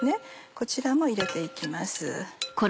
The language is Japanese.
こちらも入れて行きます。